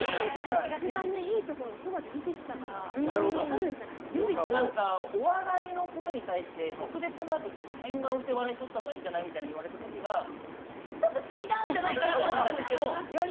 一番いいところをそばで見てきたからお笑いのことに対して食リポのあとちょっと変顔して笑いをとったほうがいいんじゃないって言われた時はちょっと違うんじゃないかなって思ったんですけど。